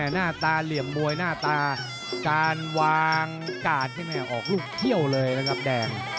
หน้าตาเหลี่ยมมวยหน้าตาการวางกาดนี่แม่ออกลูกเที่ยวเลยนะครับแดง